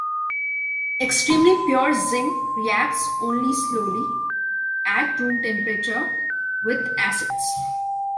Extremely pure zinc reacts only slowly at room temperature with acids.